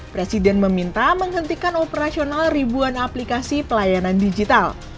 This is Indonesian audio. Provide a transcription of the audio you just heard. presiden meminta menghentikan operasional ribuan aplikasi pelayanan digital